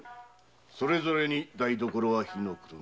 それぞれに台所は火の車